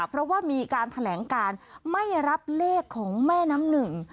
เพราะว่ามีการแถลงการไม่รับเลขของแม่น้ำหนึ่ง